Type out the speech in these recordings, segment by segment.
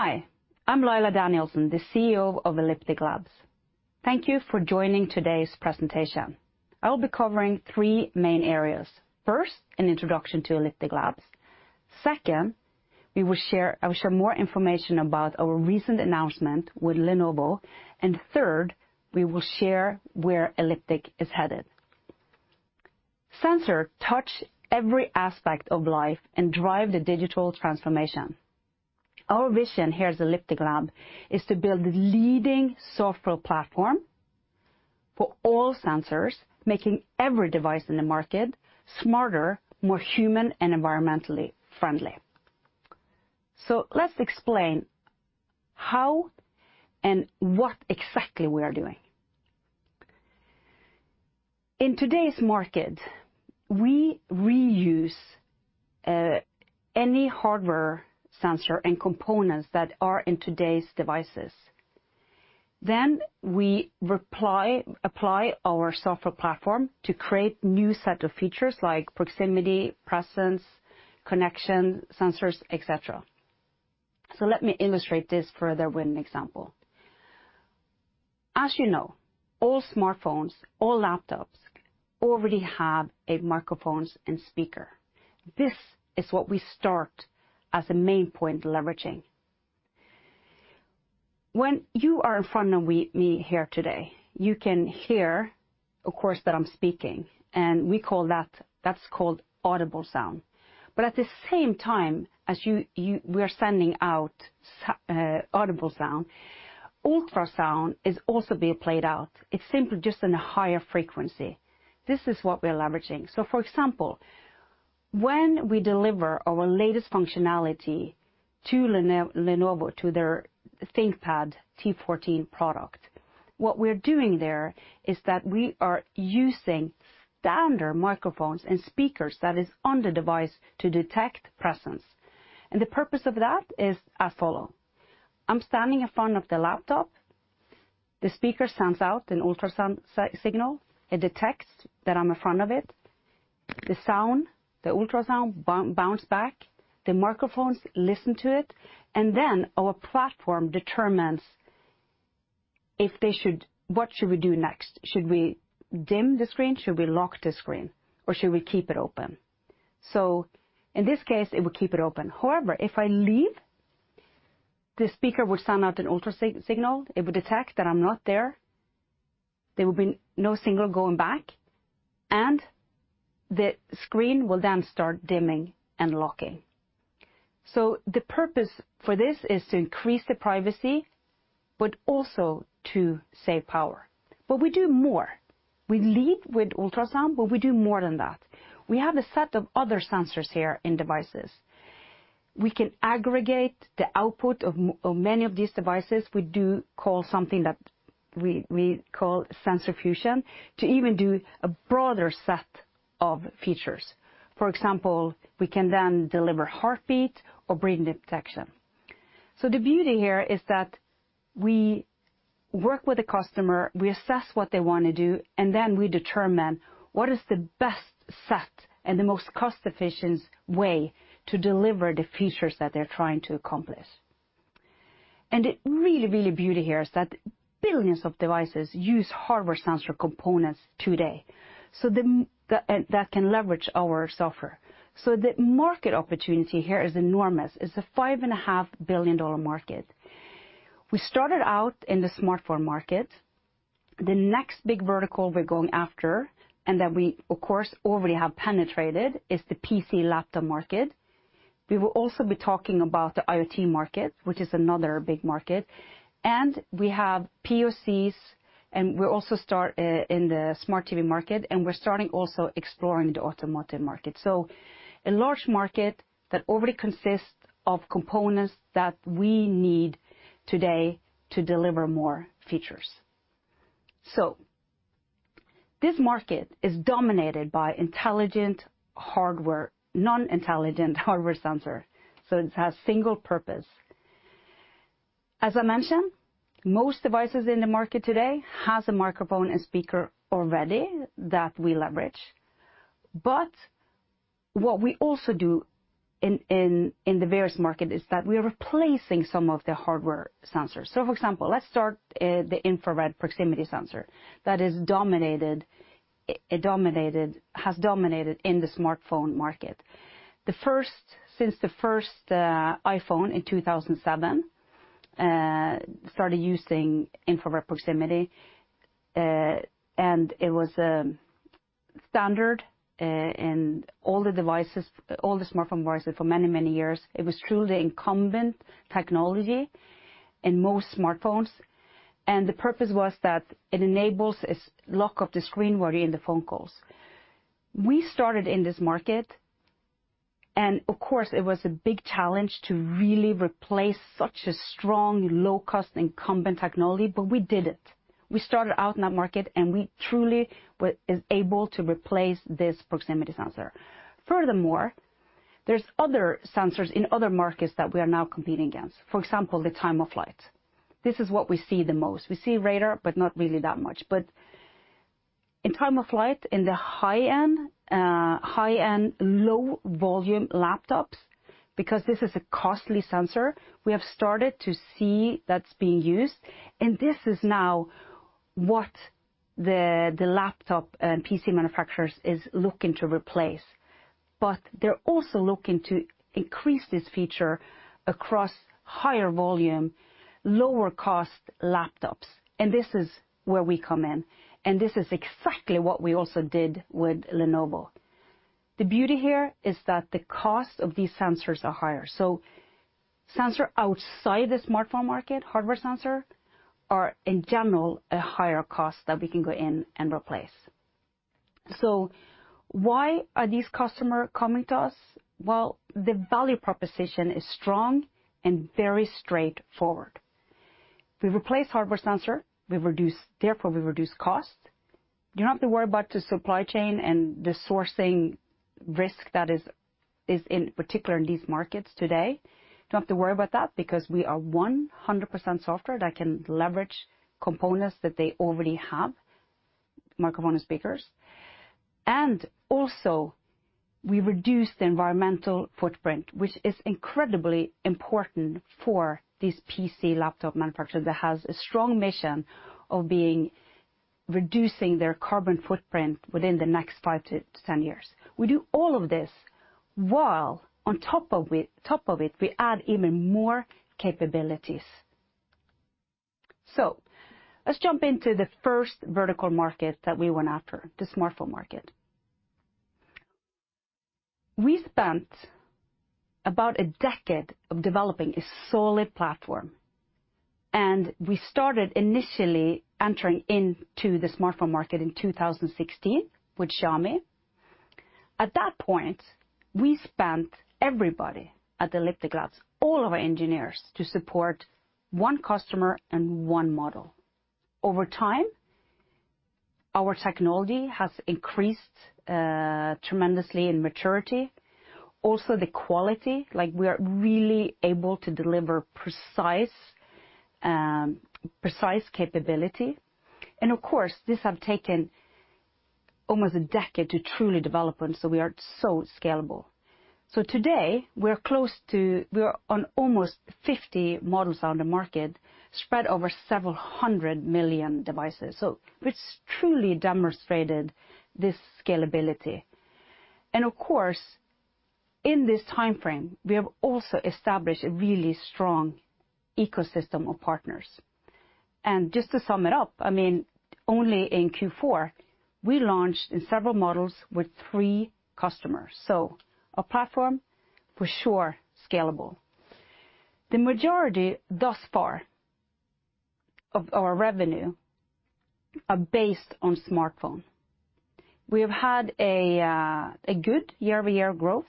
Hi, I'm Laila Danielsen, the CEO of Elliptic Labs. Thank you for joining today's presentation. I will be covering three main areas. First, an introduction to Elliptic Labs. Second, I will share more information about our recent announcement with Lenovo. And third, we will share where Elliptic is headed. Sensor touch every aspect of life and drive the digital transformation. Our vision here at Elliptic Labs is to build the leading software platform for all sensors, making every device in the market smarter, more human, and environmentally friendly. So let's explain how and what exactly we are doing. In today's market, we reuse any hardware sensor and components that are in today's devices. Then we apply our software platform to create new set of features like Proximity, Presence, Connection, Sensors, et cetera. So let me illustrate this further with an example. As you know, all smartphones, all laptops already have a microphones and speaker. This is what we start with as a main point leveraging. When you are in front of me here today, you can hear, of course, that I'm speaking, and we call that that's called audible sound. But at the same time as you we are sending out audible sound, ultrasound is also being played out. It's simply just in a higher frequency. This is what we are leveraging. So for example, when we deliver our latest functionality to Lenovo, to their ThinkPad T14 product, what we're doing there is that we are using standard microphones and speakers that is on the device to detect presence. The purpose of that is as follows. I'm standing in front of the laptop. The speaker sends out an ultrasound signal. It detects that I'm in front of it. The sound, the ultrasound bounce back. The microphones listen to it, and then our platform determines what we should do next. Should we dim the screen? Should we lock the screen? Or should we keep it open? In this case, it would keep it open. However, if I leave, the speaker would send out an ultrasound signal. It would detect that I'm not there. There will be no signal going back, and the screen will then start dimming and locking. The purpose for this is to increase the privacy, but also to save power. We do more. We lead with ultrasound, but we do more than that. We have a set of other sensors here in devices. We can aggregate the output of many of these devices. We call sensor fusion to even do a broader set of features. For example, we can then deliver heartbeat or breathing detection. The beauty here is that we work with the customer, we assess what they wanna do, and then we determine what is the best set and the most cost-efficient way to deliver the features that they're trying to accomplish. The real beauty here is that billions of devices use hardware sensor components today, so that can leverage our software. The market opportunity here is enormous. It's a $5.5 billion market. We started out in the smartphone market. The next big vertical we're going after, and that, of course, already have penetrated, is the PC laptop market. We will also be talking about the IoT Market, which is another big market, and we have POCs, and we also start in the smart TV market, and we're starting also exploring the automotive market. A large market that already consists of components that we need today to deliver more features. So this market is dominated by intelligent hardware, non-intelligent hardware sensor, so it has single purpose. As I mentioned, most devices in the market today has a microphone and speaker already that we leverage. But what we also do in the various market is that we are replacing some of the hardware sensors. For example, let's start at the infrared proximity sensor that has dominated in the smartphone market. Since the first iPhone in 2007 started using infrared proximity, and it was a standard in all the devices, all the smartphone devices for many, many years. It was truly incumbent technology in most smartphones, and the purpose was that it enables this lock of the screen while you're in the phone calls. We started in this market, and of course, it was a big challenge to really replace such a strong, low-cost incumbent technology, but we did it. We started out in that market, and we truly were able to replace this proximity sensor. Furthermore, there's other sensors in other markets that we are now competing against. For example, the Time-of-Flight. This is what we see the most. We see radar, but not really that much. In Time-of-Flight, in the high-end, low volume laptops, because this is a costly sensor, we have started to see that's being used. This is now what the laptop and PC manufacturers is looking to replace. They're also looking to increase this feature across higher volume, lower cost laptops. And this is where we come in, and this is exactly what we also did with Lenovo. The beauty here is that the cost of these sensors are higher. Sensor outside the smartphone market, hardware sensor, are in general a higher cost that we can go in and replace. So why are these customer coming to us? Well, the value proposition is strong and very straightforward. We replace hardware sensor, we reduce, therefore we reduce cost. You don't have to worry about the supply chain and the sourcing risk that is in particular in these markets today. You don't have to worry about that because we are 100% software that can leverage components that they already have, microphones and speakers. Also we reduce the environmental footprint, which is incredibly important for this PC laptop manufacturer that has a strong mission of being reducing their carbon footprint within the next five to 10 years. We do all of this while on top of it, we add even more capabilities. Let's jump into the first vertical market that we went after, the smartphone market. We spent about a decade of developing a solid platform, and we started initially entering into the smartphone market in 2016 with Xiaomi. At that point, we spent everybody at Elliptic Labs, all of our engineers, to support one customer and one model. Over time, our technology has increased tremendously in maturity. Also the quality, like we are really able to deliver precise capability. Of course, this have taken almost a decade to truly develop, and so we are so scalable. Today we're close to, almost 50 models on the market spread over several hundred million devices. So it's truly demonstrated this scalability. Of course, in this timeframe, we have also established a really strong ecosystem of partners. Just to sum it up, I mean, only in Q4, we launched in several models with three customers. Our platform for sure scalable. The majority thus far of our revenue are based on smartphone. We have had a good year-over-year growth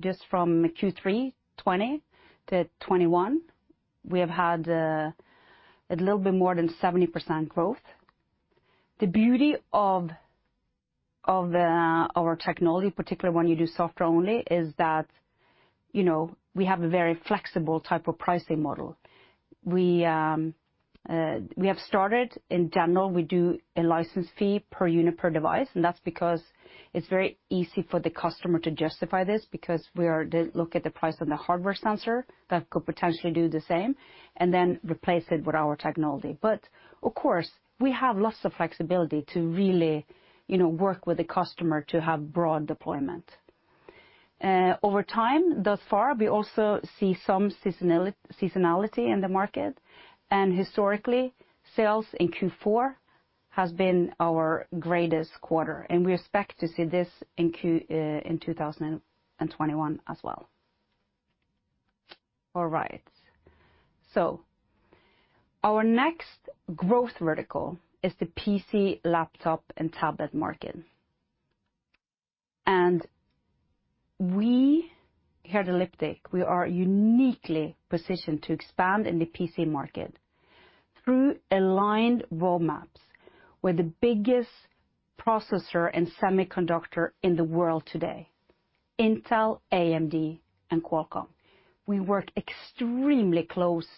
just from Q3 2020 to 2021. We have had a little bit more than 70% growth. The beauty of our technology, particularly when you do software only, is that, you know, we have a very flexible type of pricing model. We have started, in general, we do a license fee per unit per device, and that's because it's very easy for the customer to justify this because they look at the price of the hardware sensor that could potentially do the same, and then replace it with our technology. Of course, we have lots of flexibility to really, you know, work with the customer to have broad deployment. Over time, thus far, we also see some seasonality in the market. Historically, sales in Q4 has been our greatest quarter, and we expect to see this, in 2021 as well. All right. Our next growth vertical is the PC, laptop, and tablet market. We, here at Elliptic Labs, we are uniquely positioned to expand in the PC market through aligned roadmaps with the biggest processor and semiconductor in the world today, Intel, AMD, and Qualcomm. We work extremely close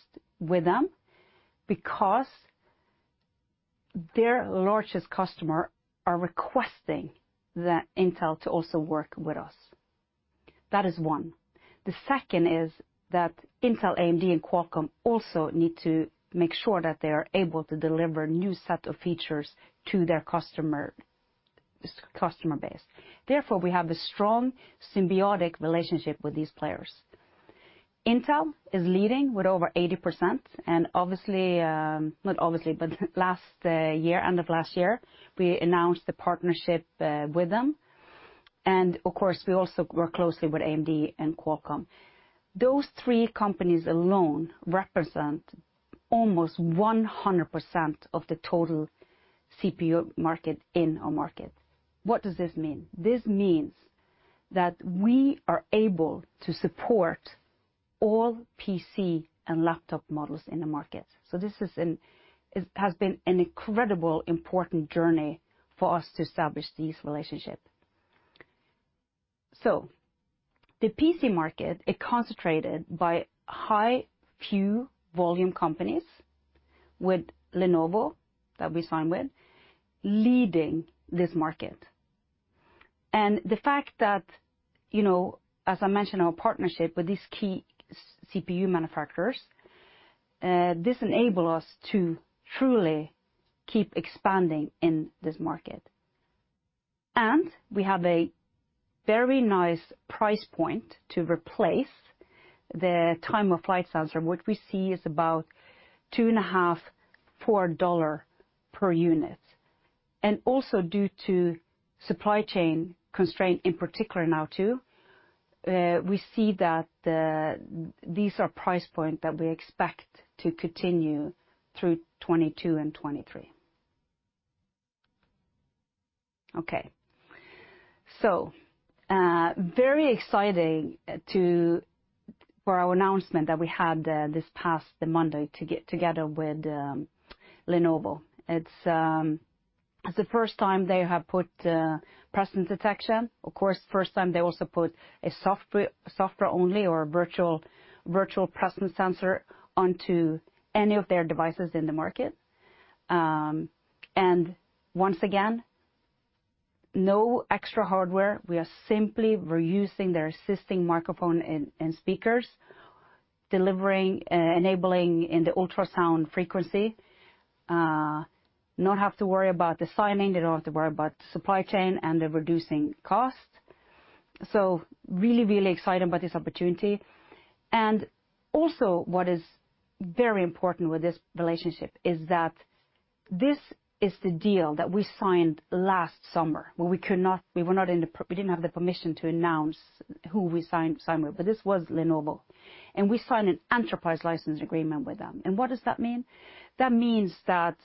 with them because their largest customer are requesting that Intel to also work with us. That is one. The second is that Intel, AMD, and Qualcomm also need to make sure that they are able to deliver new set of features to their customer base. Therefore, we have a strong symbiotic relationship with these players. Intel is leading with over 80%, and obviously, not obviously, but last year, end of last year, we announced the partnership with them. Of course, we also work closely with AMD and Qualcomm. Those three companies alone represent almost 100% of the total CPU market in our market. What does this mean? This means that we are able to support all PC and laptop models in the market. So this is it, it has been an incredibly important journey for us to establish these relationships. The PC market is concentrated by high, few high-volume companies with Lenovo that we signed with leading this market. The fact that, you know, as I mentioned, our partnership with these key CPU manufacturers, this enables us to truly keep expanding in this market. We have a very nice price point to replace the time-of-flight sensor. What we see is about $2.5-$4 per unit. And also due to supply chain constraint in particular now too, we see that these are price point that we expect to continue through 2022 and 2023. Okay, so, very exciting for our announcement that we had this past Monday together with Lenovo. It's the first time they have put presence detection. Of course, first time they also put a software only or a virtual presence sensor onto any of their devices in the market. And once again, no extra hardware. We are simply reusing their existing microphone and speakers, delivering enabling in the ultrasound frequency, not have to worry about the sizing, they don't have to worry about supply chain and the reducing cost. Really excited about this opportunity. And also what is very important with this relationship is that this is the deal that we signed last summer, where we didn't have the permission to announce who we signed with, but this was Lenovo. We signed an enterprise license agreement with them. What does that mean? That means that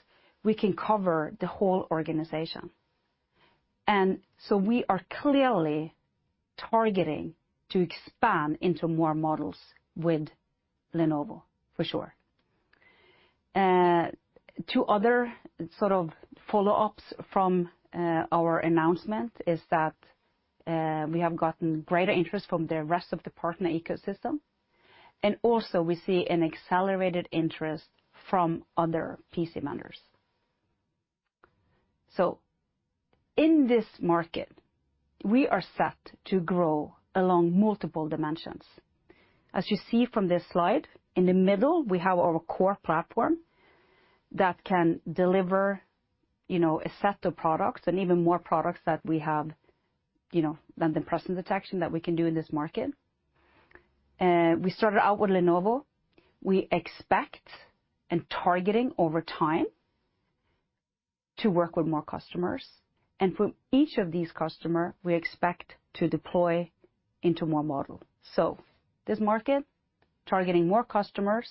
we can cover the whole organization. So we are clearly targeting to expand into more models with Lenovo, for sure. Two other sort of follow-ups from our announcement is that we have gotten greater interest from the rest of the partner ecosystem. Also we see an accelerated interest from other PC vendors. So in this market, we are set to grow along multiple dimensions. As you see from this slide, in the middle, we have our core platform that can deliver, you know, a set of products and even more products that we have, you know, than the presence detection that we can do in this market. We started out with Lenovo. We expect and targeting over time to work with more customers. For each of these customer, we expect to deploy into more model. So this market, targeting more customers,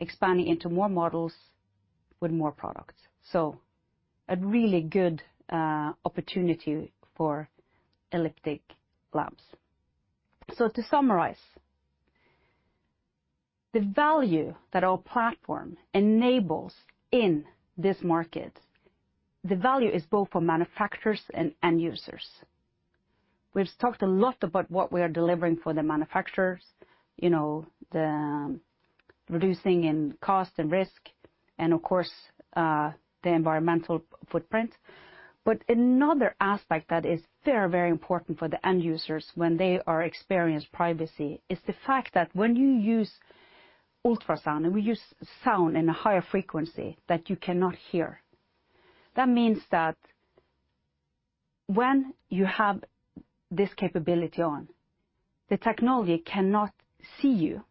expanding into more models with more products. So a really good opportunity for Elliptic Labs. To summarize, the value that our platform enables in this market, the value is both for manufacturers and end users. We've talked a lot about what we are delivering for the manufacturers, you know, the reducing in cost and risk and of course, the environmental footprint. Another aspect that is very, very important for the end users when they are experience privacy is the fact that when you use ultrasound, and we use sound in a higher frequency that you cannot hear, that means that when you have this capability on, the technology cannot see you.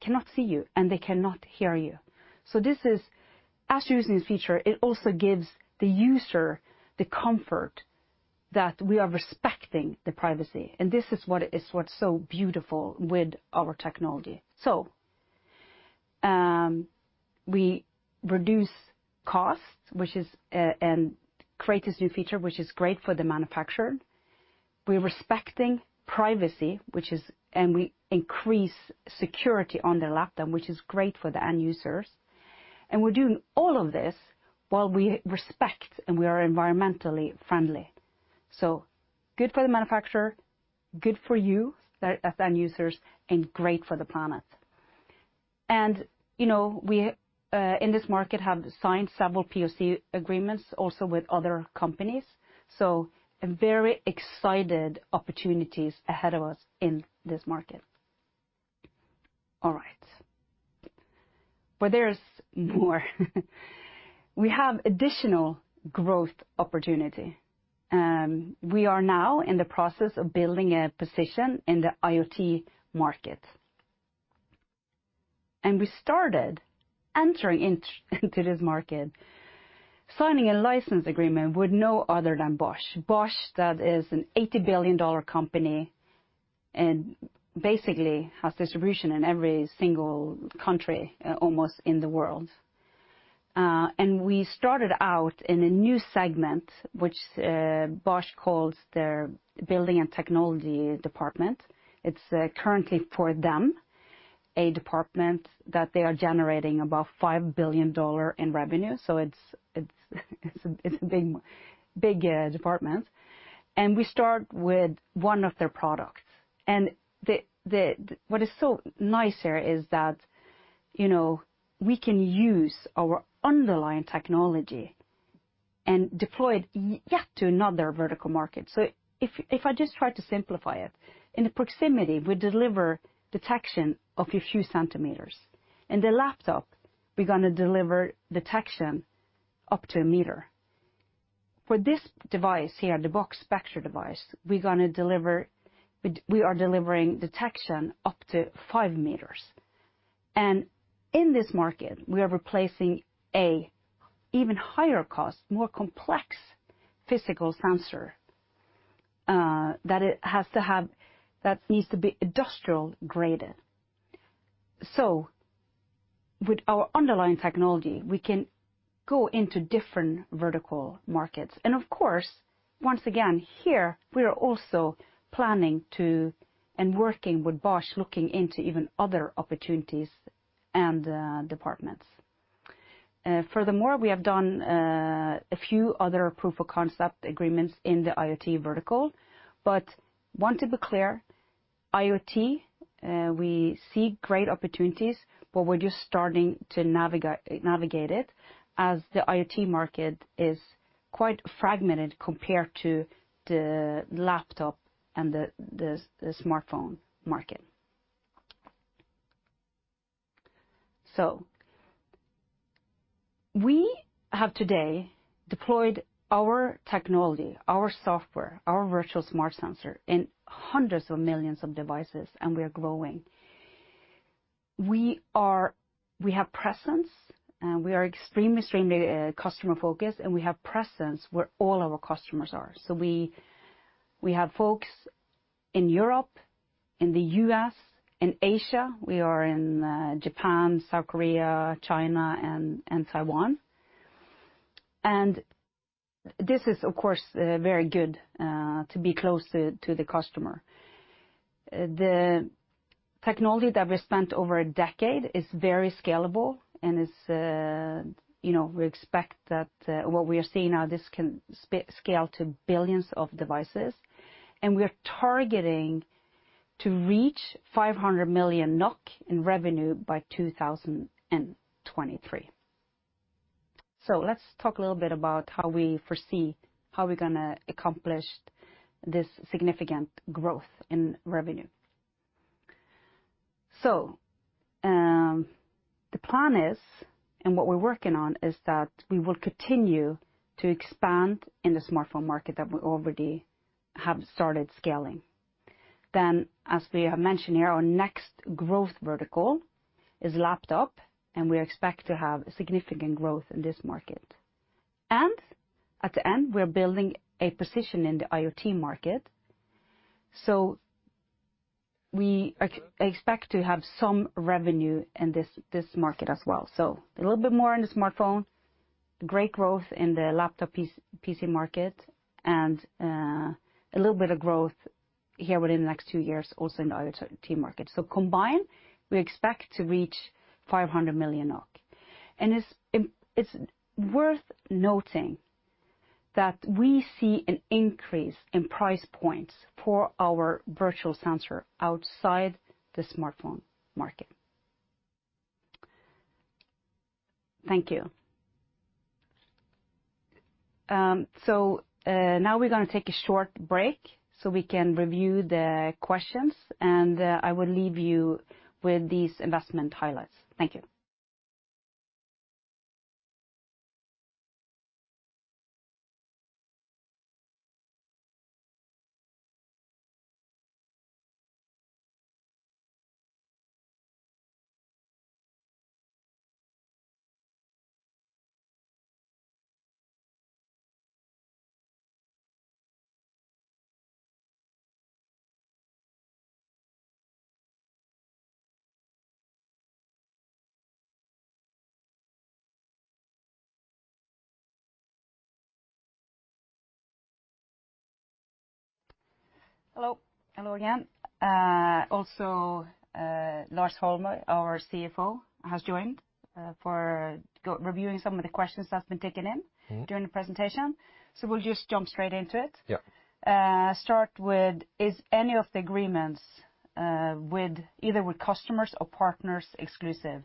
Cannot see you, and they cannot hear you. This is, as using this feature, it also gives the user the comfort that we are respecting the privacy. This is what is, what's so beautiful with our technology. We reduce costs and create this new feature, which is great for the manufacturer. We're respecting privacy and we increase security on the Laptop, which is great for the end users. We're doing all of this while we respect and we are environmentally friendly. Good for the manufacturer, good for you as end users, and great for the planet. You know, we in this market have signed several POC agreements also with other companies. Very exciting opportunities ahead of us in this market. All right. There's more. We have additional growth opportunity. We are now in the process of building a position in the IoT Market. We started entering into this market signing a license agreement with no other than Bosch. Bosch, that is an $80 billion company and basically has distribution in every single country, almost in the world. We started out in a new segment, which Bosch calls their Building Technologies division. It's currently, for them, a department that they are generating about $5 billion in revenue. It's a big department. We start with one of their products. What is so nice here is that, you know, we can use our underlying technology and deploy it yet to another vertical market. If I just try to simplify it, in the Proximity, we deliver detection of a few centimeters. In the Laptop, we're gonna deliver detection up to a meter. For this device here, the Bosch spexor device, we're delivering detection up to 5 meters. In this market, we are replacing an even higher cost, more complex physical sensor that needs to be industrial graded. With our underlying technology, we can go into different vertical markets. Of course, once again, here we are also planning to and working with Bosch, looking into even other opportunities and departments. Furthermore, we have done a few other proof of concept agreements in the IoT vertical. I want to be clear, IoT, we see great opportunities, but we're just starting to navigate it, as the IoT Market is quite fragmented compared to the Laptop and the Smartphone Market. We have today deployed our technology, our software, our virtual smart sensor in hundreds of millions of devices, and we are growing. We have presence. We are extremely customer-focused, and we have presence where all our customers are. We have folks in Europe, in the U.S., in Asia. We are in Japan, South Korea, China, and Taiwan. This is of course very good to be close to the customer. The technology that we spent over a decade is very scalable, and it's you know, we expect that what we are seeing now. This can scale to billions of devices. We are targeting to reach 500 million NOK in revenue by 2023. Let's talk a little bit about how we foresee how we're gonna accomplish this significant growth in revenue. The plan is, and what we're working on, is that we will continue to expand in the Smartphone Market that we already have started scaling. As we have mentioned here, our next growth vertical is Laptop, and we expect to have significant growth in this market. At the end, we are building a position in the IoT Market. We expect to have some revenue in this market as well. A little bit more in the Smartphone, great growth in the Laptop PC market, and a little bit of growth here within the next two years also in the IoT Market. Combined, we expect to reach 500 million NOK. It's worth noting that we see an increase in price points for our virtual sensor outside the Smartphone Market. Thank you. Now we're gonna take a short break so we can review the questions, and I will leave you with these investment highlights. Thank you. Hello. Hello again. Also, Lars Holmøy, our CFO, has joined for reviewing some of the questions that's been taken in. Mm-hmm. During the presentation. We'll just jump straight into it. Yeah. Start with, is any of the agreements with either customers or partners exclusive?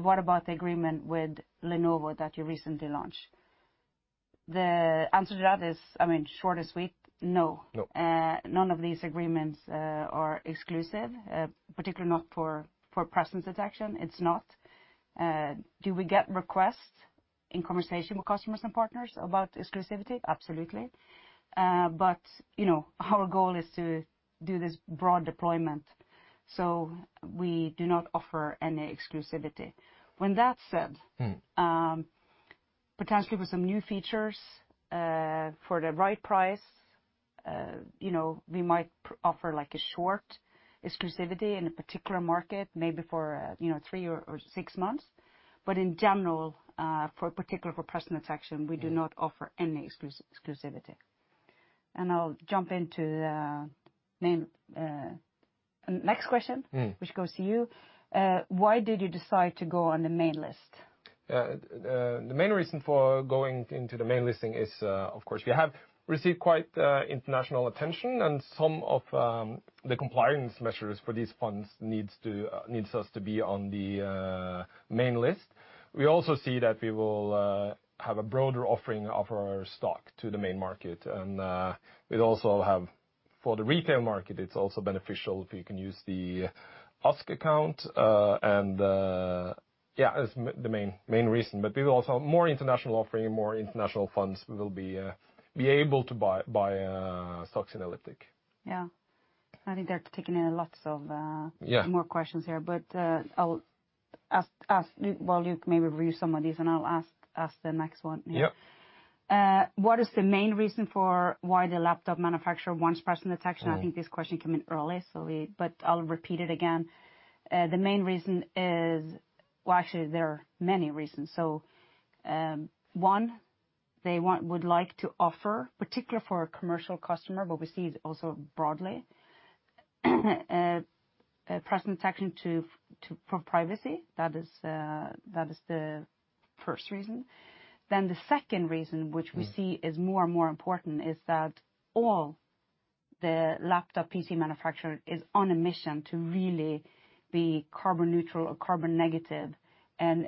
What about the agreement with Lenovo that you recently launched? The answer to that is, I mean, short and sweet, no. No. None of these agreements are exclusive, particularly not for presence detection. It's not. Do we get requests in conversation with customers and partners about exclusivity? Absolutely. But, you know, our goal is to do this broad deployment, so we do not offer any exclusivity, when that's said. Mm. Potentially with some new features, for the right price, you know, we might offer like a short exclusivity in a particular market, maybe for, you know, three or six months. In general, particularly for presence detection. Yeah. We do not offer any exclusivity. I'll jump into the main next question. Mm. Which goes to you. Why did you decide to go on the main list? The main reason for going into the main listing is, of course we have received quite international attention and some of the compliance measures for these funds needs us to be on the main list. We also see that we will have a broader offering of our stock to the main market, and we'd also have for the retail market, it's also beneficial if you can use the ASK account. That's the main reason. We will also more international offering, more international funds will be able to buy stocks in Elliptic. Yeah. I think they're taking in lots of. Yeah. More questions here. I'll ask while you maybe review some of these, and I'll ask the next one. Yep. What is the main reason for why the laptop manufacturer wants presence detection? Mm. I think this question came in early, but, I'll repeat it again. The main reason is, well, actually, there are many reasons. One, they would like to offer, particularly for a commercial customer, but we see it also broadly, presence detection to, for privacy. That is the first reason. The second reason, which we see, is more and more important is that all the laptop PC manufacturers are on a mission to really be carbon neutral or carbon negative, and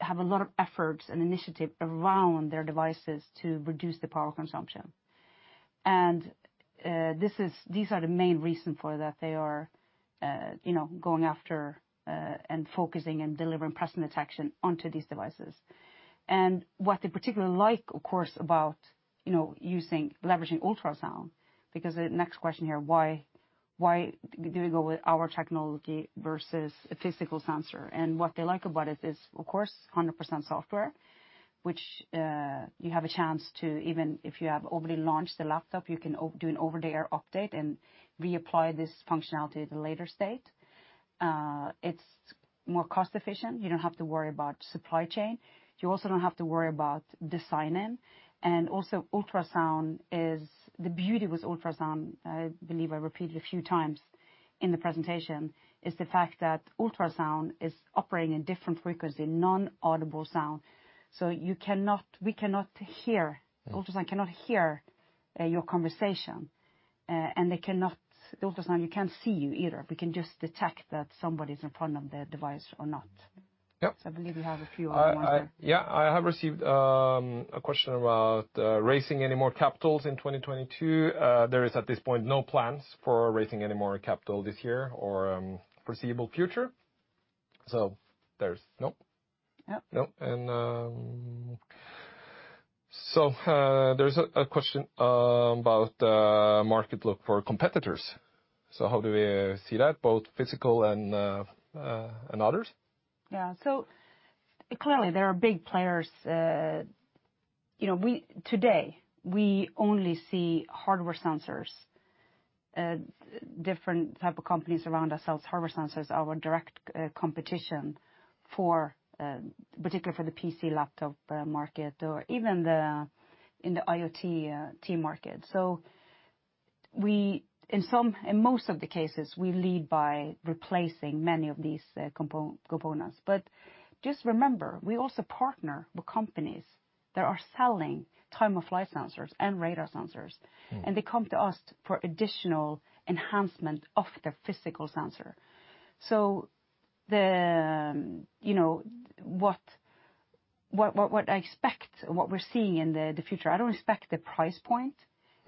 have a lot of efforts and initiatives around their devices to reduce the power consumption. This are the main reason that they are, you know, going after and focusing and delivering presence detection onto these devices. What they particularly like, of course, about, you know, using, leveraging ultrasound, because the next question here, why do we go with our technology versus a physical sensor? What they like about it is, of course, 100% software, which you have a chance to, even if you have already launched the laptop, you can do an over-the-air update and reapply this functionality at a later stage. It's more cost efficient. You don't have to worry about supply chain. You also don't have to worry about design in. And also ultrasound, the beauty with ultrasound, I believe I repeated a few times in the presentation, is the fact that ultrasound is operating in different frequency, non-audible sound. So we cannot hear. Mm. Ultrasound cannot hear your conversation. Ultrasound, it can't see you either. We can just detect that somebody's in front of their device or not. Yep. I believe you have a few more ones there. I have received a question about raising any more capital in 2022. There is at this point no plans for raising any more capital this year or foreseeable future. There's no. Yep. No. There's a question about market outlook for competitors. How do we see that, both physical and others? Clearly there are big players. You know, today we only see hardware sensors different type of companies around us sell hardware sensors, our direct competition particularly for the PC laptop market or even in the IoT Market. In most of the cases, we lead by replacing many of these components. Just remember, we also partner with companies that are selling time-of-flight sensors and radar sensors. Mm. They come to us for additional enhancement of their physical sensor. You know what I expect, what we're seeing in the future, I don't expect the price point.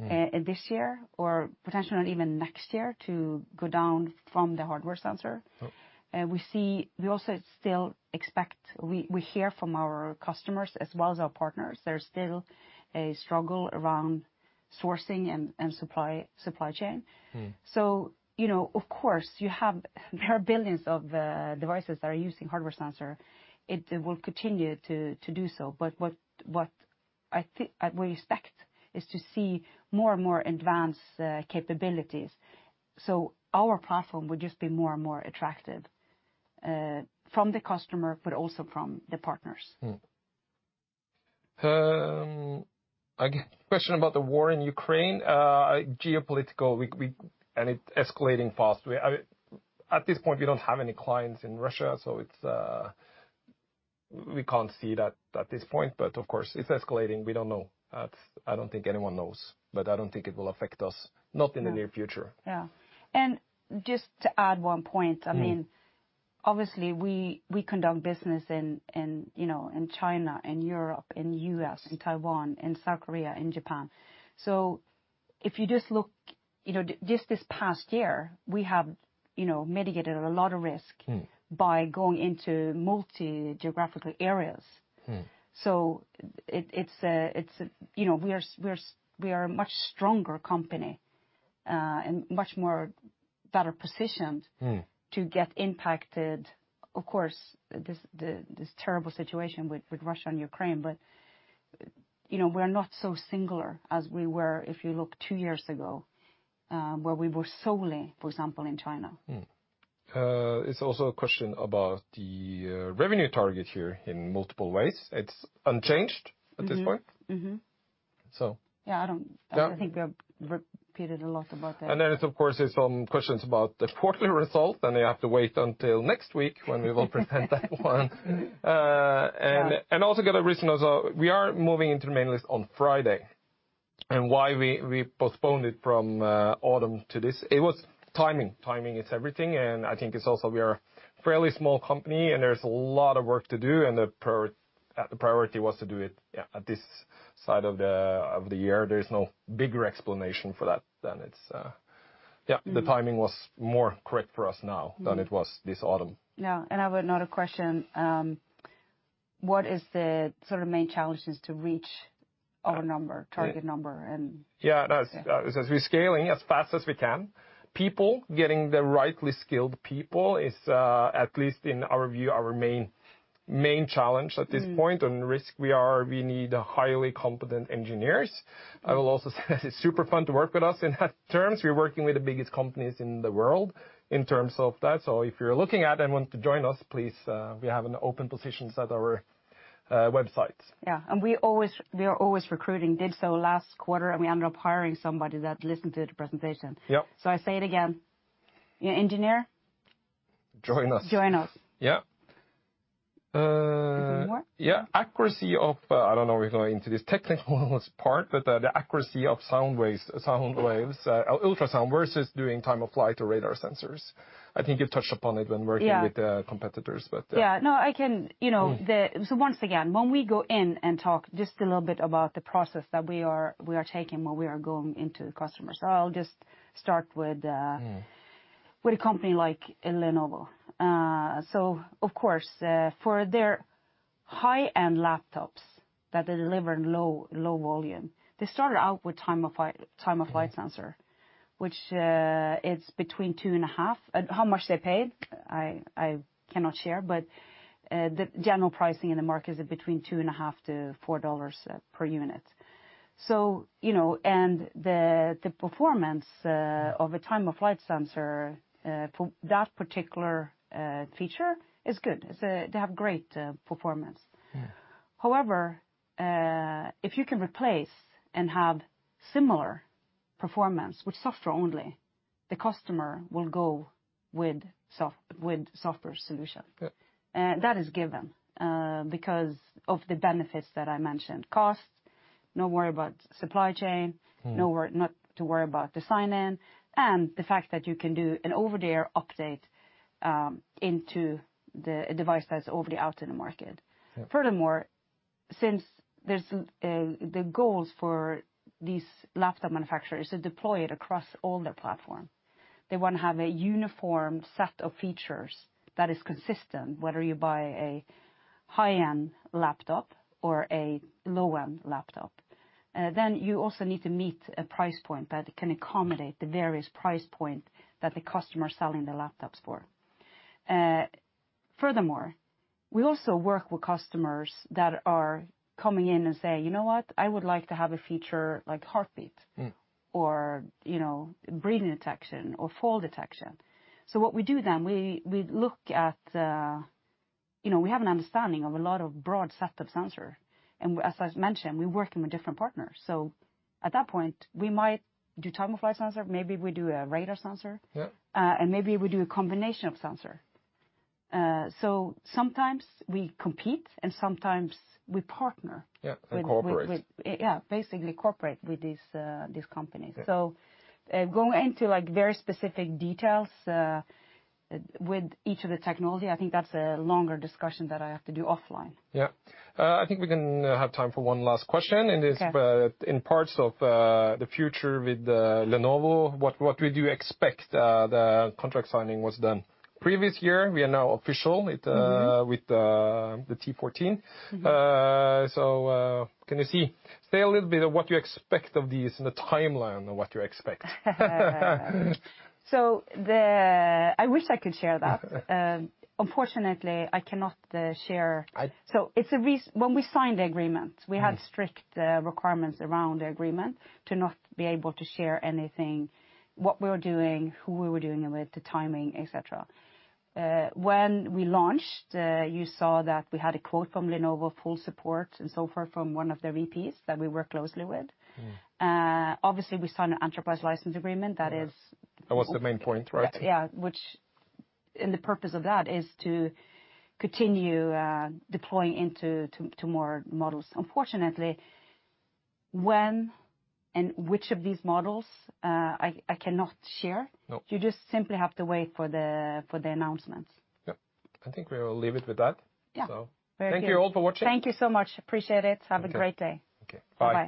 Mm.... This year or potentially not even next year to go down from the hardware sensor. Yep. We see, we also still expect, we hear from our customers as well as our partners there's still a struggle around sourcing and supply chain. Mm. You know, of course there are billions of devices that are using hardware sensor. It will continue to do so. What we expect is to see more and more advanced capabilities. Our platform would just be more and more attractive from the customer, but also from the partners. I get question about the war in Ukraine. Geopolitical, and it's escalating fast. I mean, at this point we don't have any clients in Russia, so it's we can't see that at this point, but of course it's escalating. We don't know. That's, I don't think anyone knows. I don't think it will affect us, not in the near future. Yeah. Yeah. Just to add one point. Mm. I mean, obviously we conduct business in you know in China and Europe, in U.S., in Taiwan, in South Korea, in Japan. If you just look, you know, just this past year, we have, you know, mitigated a lot of risk. Mm. By going into multi-geographical areas. Mm. You know, we are a much stronger company, and much more better positioned. Mm. To get impacted. Of course, this terrible situation with Russia and Ukraine. You know, we're not so singular as we were if you look two years ago, where we were solely, for example, in China. It's also a question about the revenue target here in multiple ways. It's unchanged at this point. Mm-hmm. So- Yeah, I don't. Yeah. I think I've repeated a lot about that. It's, of course, some questions about the quarterly result, and you have to wait until next week when we will present that one. Yeah. Also got a reason as well. We are moving into the main list on Friday. Why we postponed it from Autumn to this, it was timing. Timing is everything, and I think it's also we are a fairly small company and there's a lot of work to do and the priority was to do it at this side of the year. There's no bigger explanation for that than it's the timing was more correct for us now than it was this Autumn. Yeah. Another question, what is the sort of main challenges to reach our number, target number and- That is, as we're scaling as fast as we can, getting the right skilled people is, at least in our view, our main challenge at this point. Mm. We need highly competent engineers. I will also say that it's super fun to work with us in that terms. We're working with the biggest companies in the world in terms of that. If you're looking at and want to join us, please, we have an open positions at our websites. Yeah. We are always recruiting, did so last quarter, and we ended up hiring somebody that listened to the presentation. Yeah. I say it again. Engineers, join us. Join us. Yeah. Is there more? Yeah. I don't know if we go into this technical part, but the accuracy of sound waves, ultrasound versus doing time-of-flight or radar sensors. I think you've touched upon it when working- Yeah. With the competitors, but. Yeah, no. I can, you know, once again, when we go in and talk just a little bit about the process that we are taking when we are going into the customers. I'll just start with a company like Lenovo. Of course, for their high-end laptops that deliver low volume, they started out with time-of-flight sensor. Which is between $2.5. How much they paid, I cannot share, but the general pricing in the market is between $2.5-$4 per unit. You know, the performance of a time-of-flight sensor for that particular feature is good. They have great performance. Yeah. However, if you can replace and have similar performance with software only, the customer will go with software solution. Yeah. That is given because of the benefits that I mentioned. Cost, no worry about supply chain. Mm. Not to worry about design in, and the fact that you can do an over-the-air update into the device that's already out in the market. Yeah. Furthermore, since there's the goals for these laptop manufacturers to deploy it across all their platform, they wanna have a uniform set of features that is consistent, whether you buy a high-end laptop or a low-end laptop. Then you also need to meet a price point that can accommodate the various price point that the customer is selling the laptops for. Furthermore, we also work with customers that are coming in and saying, "You know what? I would like to have a feature like heartbeat- Mm. Or, you know, breathing detection or fall detection." What we do then, we look at, you know, we have an understanding of a lot of broad set of sensors. As I've mentioned, we work with different partners. At that point, we might do time-of-flight sensor, maybe we do a radar sensor. Yeah. Maybe we do a combination of sensor. Sometimes we compete and sometimes we partner. Yeah, cooperate. Yeah, basically cooperate with these companies. Yeah. Going into, like, very specific details with each of the technology, I think that's a longer discussion that I have to do offline. Yeah. I think we can have time for one last question. Okay. It's about in parts of the future with Lenovo. What did you expect? The contract signing was done previous year. We are now official with. Mm-hmm. With the T14. Mm-hmm. Kinda say a little bit of what you expect of these and the timeline of what you expect. I wish I could share that. Unfortunately, I cannot share. I- So it's a reason, when we signed the agreement. Mm. We had strict requirements around the agreement to not be able to share anything, what we were doing, who we were doing it with, the timing, et cetera. When we launched, you saw that we had a quote from Lenovo full support and so forth from one of their VPs that we work closely with. Mm. Obviously, we signed an enterprise license agreement. That is- That was the main point, right? The purpose of that is to continue deploying into more models. Unfortunately, when and which of these models I cannot share. No. You just simply have to wait for the announcements. Yeah. I think we will leave it with that. Yeah. Thank you all for watching. Thank you so much. Appreciate it. Okay. Have a great day. Okay. Bye. Bye.